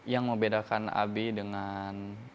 yang membedakan abi dengan